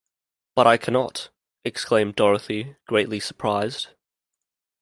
"But I cannot!" exclaimed Dorothy, greatly surprised.